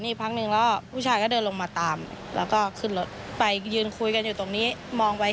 โดดมาหว่ายใจเพียงไม่ได้มีแต่ควกตาที่ออกไป